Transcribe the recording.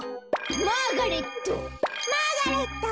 マーガレット。